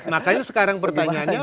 makanya sekarang pertanyaannya